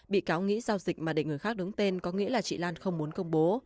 bị cáo nghĩ giao dịch mà để người khác đứng tên có nghĩa là chị lan không muốn công bố